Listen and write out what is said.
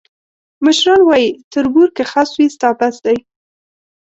مشران وایي: تربور که خس وي، ستا بس دی.